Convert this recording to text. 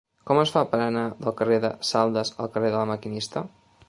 Com es fa per anar del carrer de Saldes al carrer de La Maquinista?